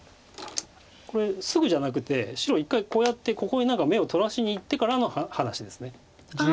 これすぐじゃなくて白１回こうやってここに何か眼を取らしにいってからの話です。